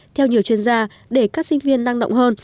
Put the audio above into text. theo nhiều chuyên gia để các sinh viên năng động hơn